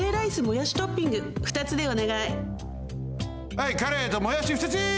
あいカレーともやしふたつ！